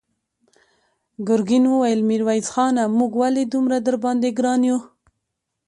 ګرګين وويل: ميرويس خانه! موږ ولې دومره درباندې ګران يو؟